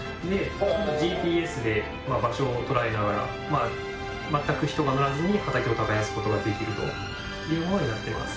ＧＰＳで場所をとらえながらまったく人が乗らずに畑を耕すことができるというものになっています。